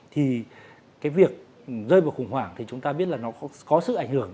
thì cái việc rơi vào khủng hoảng thì chúng ta biết là nó có sự ảnh hưởng